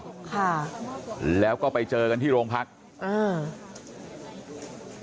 ค่ะแล้วก็ไปเจอกันที่โรงพักอ่า